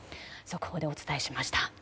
速報でお伝えしました。